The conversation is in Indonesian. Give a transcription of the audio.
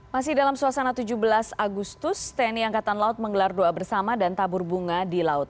masih dalam suasana tujuh belas agustus tni angkatan laut menggelar doa bersama dan tabur bunga di laut